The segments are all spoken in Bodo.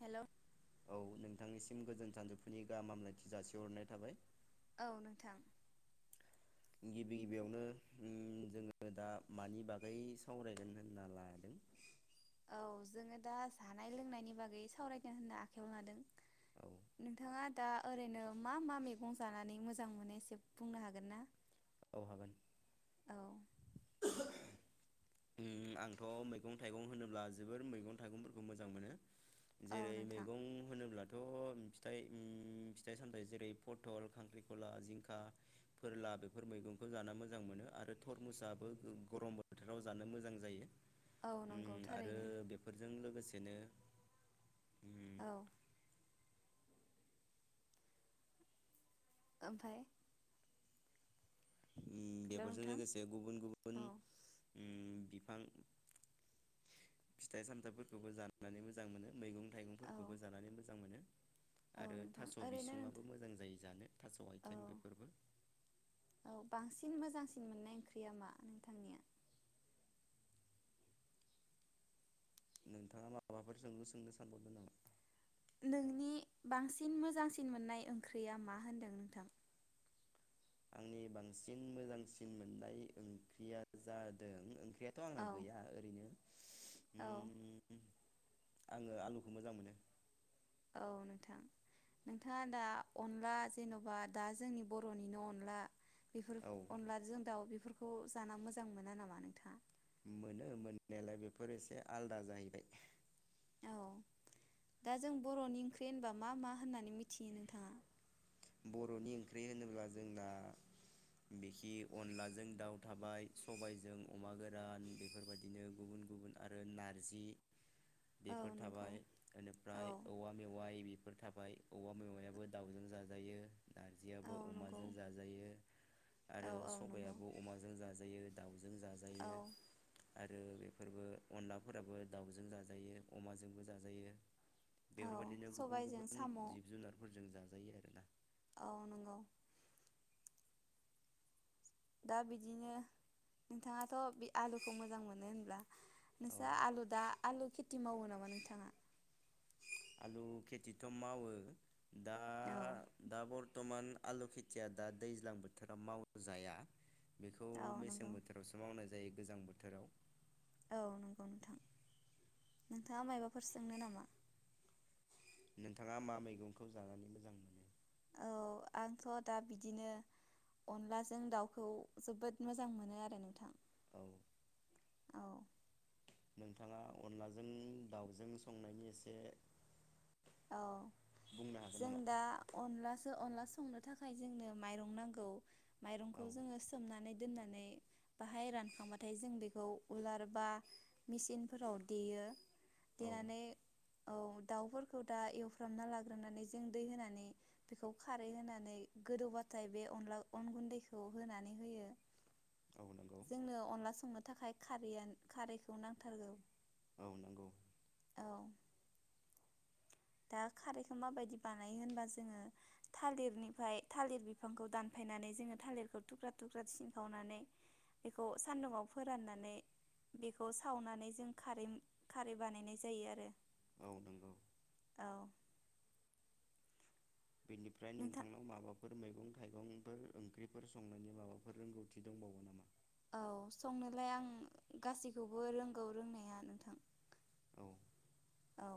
हेलौ औ नोंथांनिसिम गोजोन सानजौफुनि गाहाम हामलायथि जासिहरनाय थाबाय औ नोंथां गिबि गिबियावनो जोङो दा मानि बागै सावरायगोन होनना लादों औ जोङो दा जानाय लोंनायनि बागै सावरायदों होननो आखायाव लादों औ नोंथाङा दा ओरैनो मा मा मैगं जानानै मोजां मोनो एसे बुंनो हागोन ना औ हागोन औ आंथ' मैगं थाइगं होनोब्ला जोबोर मैगं थाइगंफोरखौ मोजां मोनो औ जेरै नोंथां मैगं होनोब्ला फिथाइ फिथाइ सामथायाइ जेरै पथल खांख्रिखला जिंखा फोरला बेफोर मैगंखौ जानो मोजां मोनो आरो थरमुसाबो गरम बोथोर राव जानो मोजां जायो औ नंगौ आरो थारैनो बेफोरजों लोगोसेनो उम औ ओमफ्राय हेलौ बेफोरजों नोंथां लोगोसे गुबुन गुबुन औ बिफां फिथाइ सामथाइफोरखौबो जानानै मोजां मोनो मैगं औ थाइगंफोरखौबो जानानै मोजां मोनो। औ आरो नोंथां थास' ओरैनो नोंथां बिसुुंआबो मोजां जायो जानो थास' औ आथिं बेफोरबो औ बांसिन मोजांसिन मोननाय ओंख्रिया मा नोंथांनिया नोंथाङा माबाफोर सोंलु सोंनो सानबावदों नामा नोंनि बांसिन मोजांसिन मोननाय ओंख्रिया मा होनदों नोंथां आंनि बांसिन मोजांसिन मोननाय ओंख्रिया जादोंओं फुख्रियाथ' औ आंना गैया ओरैनो औ उम आङो आलुखौ मोजां मोनो। औ नोंथां नोंथाङा दा अनला जेन'बा दा जोंनि बर'निनो अनला बेफोर औ अनलाजों दाउ बेफोर बेफोरखौ जाना मोजां मोना नामा नोंथाङा मोनो मोननायालाय बेफोर एसे आलादा जाहैबाय औ दा जों बर'नि ओंख्रि होनबा मा मा होननानै मिथियो नोंथाङा बर'नि ओंख्रि होनोब्ला जोंना बिखि अनलाजों दाउ थाबाय सबायजों अमा गोरान बेफोरबायदिनो गुबुन गुबुन आरो नारजि औ बेफोर नंगौ थाबाय औ बेनिफ्राय औवा मेवाइ बे फोर थाबाय औबवा मेवायाबो दावउजों जाज जायो औ नारजियाबो नंगौ अमाजों जाजायो औ आरो औ नंगौ सबायाबो अमाजों जाजायो जों जाजायो औ आरो बेफोरबो अनलाफोराबो दाउजों जाजायो अमाजोंबो जाजायो औ बेफोरबायदिनो गुबुन सबायजों गुबुन साम' जिब जुनारफोरजों जाजोब औ नंगौ दा बिदिनो नोंथाङाथ बे आलुखौ मोजां मोनो होनब्ला औ नोंस्रा आलु दा आलु खेथि मावो नामा नोंथाङा आलु खेथिथ मावो दा औ दा बर बरथमान आलु खेथिया दा दैज्लां बोथोरा मावजाया बेखौ औ मेसें नंगौ बोथोरावसो मावनाय जायो गोजां बोथोराव औ नंगौ नोंथां नोंथाङा मायबाफोर सोंनो नामा नोंथाङा मा मैगंखौ जानानै मोजां मोनो औ आंथ दा बिदिनो अनलाजों दाउखौ जोबोद मोजां मोनो आरो नोंथां औ औ नोंथाङा अनलाजों दाउजों संनायनि एसे औ बुंनो हागोन जों नामा दा अनलासो अनलासो संनो थाखाय जोंनो माइरं नांगौ माइरंखौ औ जोङो सोमनानै दोननानै बाहाय रानखांबाथाय जों बेखौ उलार बा मेचिनफोराव देयो औ देनानै औ दाउफोर खौ दा एवफ्रामना लाग्रोनानै जों दै होनानै बेखौ खारै होनानै गोदौबाथाय बे अनला अन गुन्दैखौ होनानै होयो। औ नंगौ जोंनो अनला संनो थाखाय खारैयान खारैखौ नांथारगौ औ नंगौ औ दा खारैखौ माबायदि बानायो होनबा जोङो थालिरनिफ्राय थालिर बिफांखौ दानफायनानै जोङो थालिरखौ थुख्रा थुख्रा सिनखावनानै बेखौ सानदुंङाव फोराननानै बेखौ सावनानै जों खारै खारै बानायनाय जायो आरो औ नंगौ औ बेनिफ्राय नोंथां नोंथांनाव माबा मैगं थाइगंफोर ओंख्रिफोर संनायनि माबाफोर रोंगौथि दंबावो नामा औ संनोलाय आं गासैखौबो रोंगौ रोंनाया नोंथां औ औ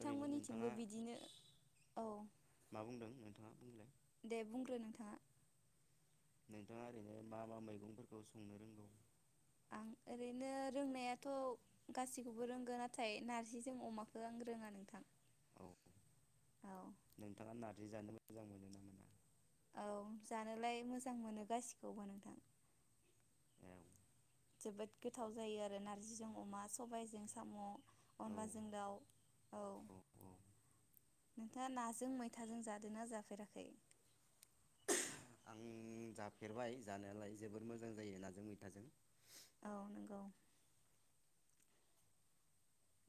ओरैनो नोंथाङा बिदिनो औ मा बुंदों नोंथाङा बुंलाय दे बुंग्रो नोंथाङा नोंथाङा ओरैनो मा मा मैगंफोरखौ संनो रोंगौ आं ओरैनो रोंनायाथ' गाैखौबो रोंगौ नाथाय नारजिजों अमाखो आं रोङा नोंथां औ औ नोंथाङा नारजि जानो मोजां मोनो ना मोना औ जानोलाय मोजां मोनो गासिखौबो नोंथां औ जोबोद गोथाव जायो आरो नार्जिजों अमा सबायाइजों साम' औ अनलाजों दाउ औ नोंथाङा नाजों मैथाजों जादों ना जाफेराखै आं जाफेरबाय जानायालाय जोबोर मोजां जायो नाजों मैथाजों औ नोंगौ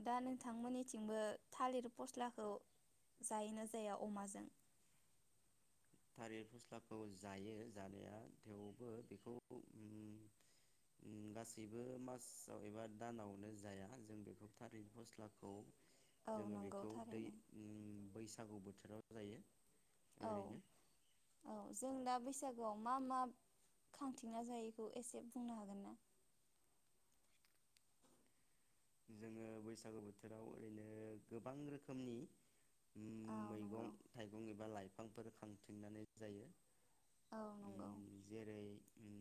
दा नोंथांमोननिथिंबो थालिर फस्लाखौ जायोना जाया अमाजों। थालिर फस्लाखौ जायो जानाया थेवबो बेखौ उम उम गासैबो मासाव एबा दानावनो जाया जों बेखौ थालिर फस्लाखौ औ जोङो नंगौ बेखौ दै थारैनो उम बैस सागु बोथोराव जायो। औ ओरैनो। औ जों दा बैसागोआव मा मा खांथिंना जायोखौ एसे बुंनो हागोन ना। जोङो बैसागु बोथोराव ओरैनो गोबां रोखोमनि उम औ नंगौ मैगं थाइगं एबा लाइफांफोर खांथिंननानै जायो। औ नंगौ। उम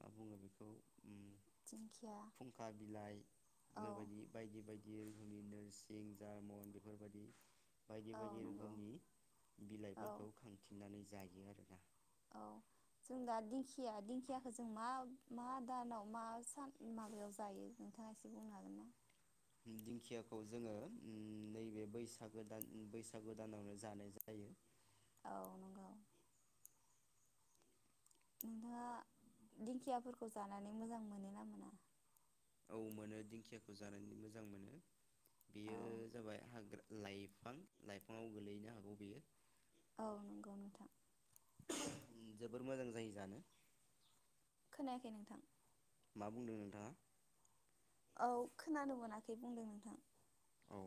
मा बुङो बेखौ उम दिंखिया खुंखा बिलाइ। औ बेफोरबायदि बायदि बायदि रोखोमनि नोरसिं जारमन बेफोर बायदि। बायदि औ बायदि नंगौ रोखोमनि औ बिलाइफोरखौ खांथिंनानै जायो आरोना। औ जों दा दिंखिया दिंखियाखौ जों मा मा दानाव मा सान माबायाव जायो नोंथाङा एसे बुंनो हागोन ना? दिंखियाखौ जोङो नैबे बैसागो दान बैसागो दानावनो जानाय जायो। औ नंगौ। नोंथाङा दिंखियाफोरखौ जानानै मोजां मोनो ना मोना? औ मोनो दिंखियाखौ जानानै मोजां मोनो। औ बेयो जाबाय हाग्रा लाइफां लाइफाङाव गोलैनो हागौ बियो। औ नंगौ नोंथां। जोबोर मोजां जायो जानो। खोनायाखै नोंथां मा बुंदों नोंथाङा? औ खोनानो मोनाखै बुंदों नोंथां। औ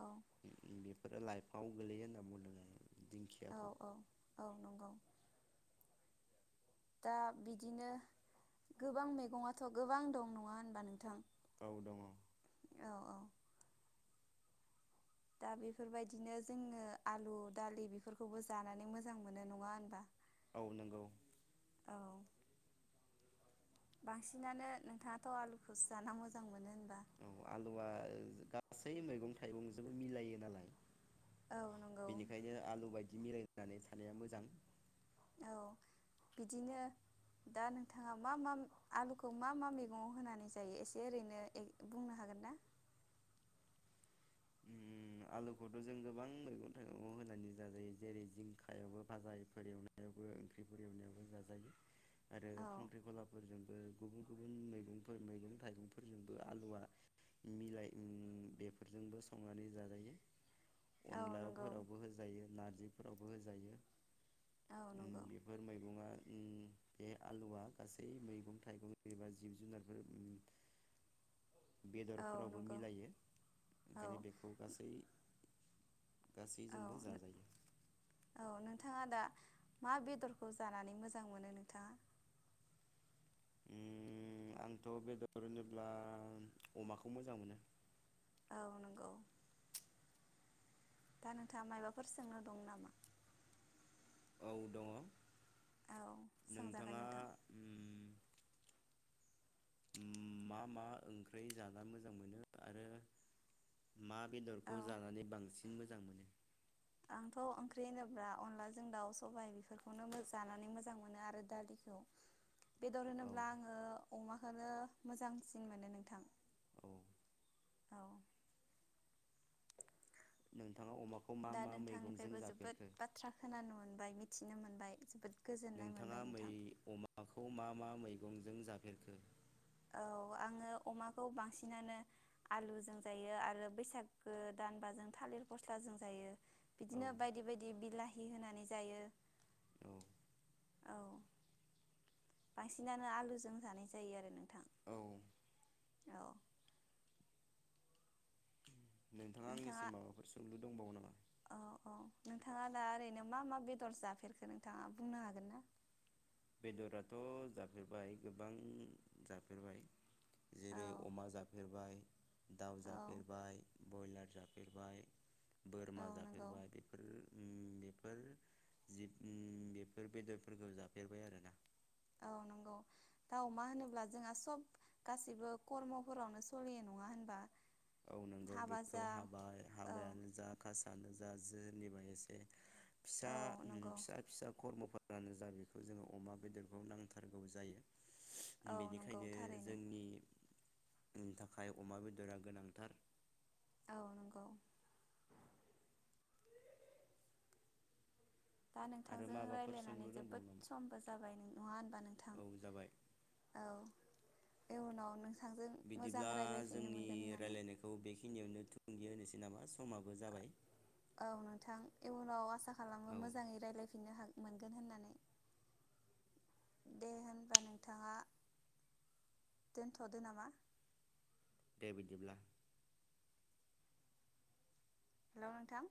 औ बे लाइफांआव गोलैयो होनना बुंदों आं। औ दिंखियाखौ औ औ नंगौ। दा बिदिनो गोबां मैगङाथ' गोबां दं नङा होनबा नोंथां। औ दङ। औ औ। दा बेफोर बायदिनो जोङो आलु दालि बेफोरखौबो जानानै मोजां मोनो नङा होनबा? औ नंगौ। औ। बांसिनानो नोंथाङाथ' आलुखौसो जानानै मोजां मोनो होनबाय। औ आलुआ गासै मैगं थाइगंजोबो मिलायो नालाय। औ नंगौ बेनिखायनो आलु बाय मिलायनानै थानायानाया मोजां। औ बिदिनो दा नोंथाङा मा मा आलुखौ मा मा मैगंआव होनानै जायो एसे ओरैनो बुंनो हागोन ना? ओम आलुखौथ' जों गोबां मैगं थाइगं होनानै जाजायो। जेरै जिंखायावबो भाजायफोर एवनायावबो ओंख्रिफोर एवनायावबो जाजायो आरो औ खांख्रिखलाफोरजोंबो गुबुन गुबुन मैगंफोर मैगं थाइगंफोरजोंबो आलुआ मिलाय बेफोरजोंबो संनानै जाजायो। औ नंगौ अनलाफोरावबो होजायो नारजि फोरावबो जायो। औ नंगौ बेफोर मैगङा ओम बे आलुआ गासै मैगं थाइगं एबा जिब जुनारबो औ बेदरफोरावबो नंगौ मिलायो। औ ओंखायनो बेखौ गासै औ गासैजोंबो जाजायो। औ नोंथाङा दा मा बेदरखौ जानानै मोजां मोनो नोंथाङा? ओम आंथ' बेदर होनोब्ला ओ अमाखौ मोजां मोनो। औ दा नोंथाङा मायबाफोर सोंनो दं नामा? औ दङ औ सोंजागोन नोंथाङा नोंथां उम उम मा मा ओंख्रि जाना मोजां मोनो आरो मा औ बेदरखौ जानानै बांसिन मोजां मोनो? आंथ' ओंख्रि होनोब्ला अनलाजों दाउ सबाय बेफोरखौनो जानानै मोजां मोनो आरो दालिखौ। बेदर औ होनोब्ला आङो अमाखौनो मोजांसिन मोनो नोंथां। औ औ नों दा नोंथांनिफ्रायबो जोबोद बाथ्रा खोनानो मोनबाय मि मिथिनो मोनबाय जोबोद गोजोननाय नोंथाङा मोनबाय मै नोंथां अमाखौ मा मा मैगंजों जाख फेरखो? औ आङो अमाखौ बांसिनानो आलुजों जायो आरो बैसागो दानबाजों थालिर फस्लाजों जायो औ बिदिनो बायदि बायदि बिलाहि होनानै जायो। औ औ बांसिनानो आलुजों जानाय जायो आरो नों औ औ नोंथाङा आंनिसिम माबाफोर सोंलु दंबावो नामा? औ औ नोंथाङा दा ओरैनो मा मा बेदर जाफेरखो नोंथाङा बुंनो हागोन ना? बेदराथ' जाफेरबाय गोबां जाफेरबाय। औ जेरै अमा जाफेरबाय दाउ औ जाफेरबाय बयलार जाफेरबाय औ बोरमा नंगौ जाफेरबाय बेफोर उम बेफोर उम बेफोर बेदरफोरखौ जाब फेरबाय आरो ना औ नंगौ दा अमा होनोब्ला जोंहा सब गासैबो कर्मफोरावनो सलियो नङा होनबा औ नंगौ हाबा बेखौ जा हाबाय औ हाबायानो जा कासानो जा जि [unintelligible] एसे फिसा औ उम नंगौ फिसा फिसा कर्मफोर आनो जा बेखौ जोङो अमा बेदरखौ नांथारगौ जायो। औ नंगौ बेनिखायनो थारैनो जोंनि थाखाय अमा बेदरा गोनां उम औ नंगौ दा आरो नोंथांजों माबाफोर रायलायनानै सोंलु दंबावो जोबोद नामा समबो जाबाय नङा होनबा नोंथां औ जाबाय औ इयुनाव [unintelligible] मोजां बिदिब्ला रायज्लायफिननो जोंनि मोनगोन होननानै रायलायनायखौ बेखिनियावनो थु [unintelligible] होनोसै नामा समाबो जाबाय। औ नोंथां इयुनाव आसा खालामो औ मोजाङै रायलायफिननो हागोन। मोनगोन होननानै दे होनबा नोंथाङा दोनथ'दो नामा? दे बिदिब्ला। हेल' नोंथां।